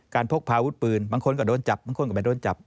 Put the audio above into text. พกพาอาวุธปืนบางคนก็โดนจับบางคนก็ไม่โดนจับ